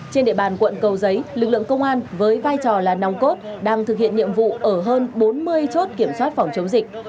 trên địa bàn quận cầu giấy lực lượng công an với vai trò là nòng cốt đang thực hiện nhiệm vụ ở hơn bốn mươi chốt kiểm soát phòng chống dịch